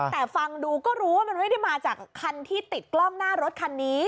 แต่ฟังดูก็รู้ว่ามันไม่ได้มาจากคันที่ติดกล้องหน้ารถคันนี้